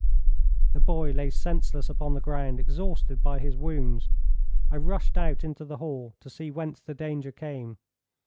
The boy lay senseless upon the ground, exhausted by his wounds. I rushed out into the hall to see whence the danger came.